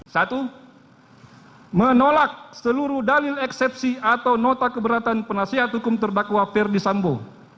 satu menolak seluruh dalil eksepsi atau nota keberatan penasihat hukum terdakwa ferdi sambo